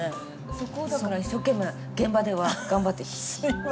そこをだから一生懸命現場では頑張って。